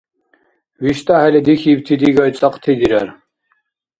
ВиштӀахӀели дихьибти дигай цӀакьти дирар.